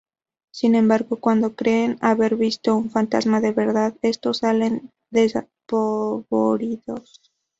Sin embargo cuando creen haber visto un fantasma de verdad, estos salen despavoridos.